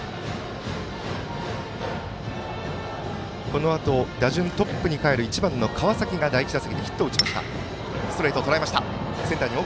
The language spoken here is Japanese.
このあと、打順トップにかえる１番の川崎が第１打席でヒットを打ちました。